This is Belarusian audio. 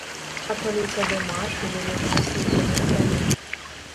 Пачаліся дэмаршы дэлегацый бедных краін.